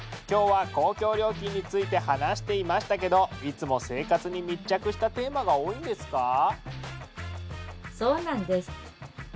今日は公共料金について話していましたけどいつも生活に密着したテーマが多いんですか？